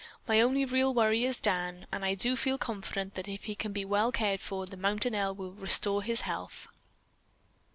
My only real worry is Dan, and I do feel confident that if he can be well cared for, the mountain air will restore his health."